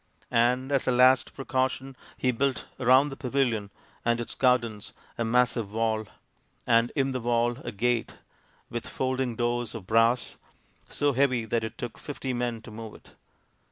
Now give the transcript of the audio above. And as a last precaution he built around the pavilion and its gardens a massive 172 THE INDIAN STORY BOOK wall, and in the wall a gate with folding doors of brass, so heavy that it took fifty men to move it.